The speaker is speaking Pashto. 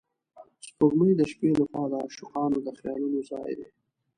سپوږمۍ د شپې له خوا د عاشقانو د خیالونو ځای دی